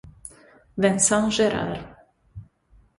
Vincent Gérard